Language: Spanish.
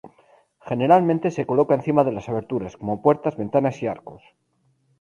Generalmente se coloca encima de las aberturas, como puertas, ventanas y arcos.